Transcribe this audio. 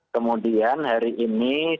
kemudian hari ini disuntaskan